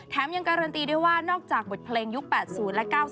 ยังการันตีด้วยว่านอกจากบทเพลงยุค๘๐และ๙๙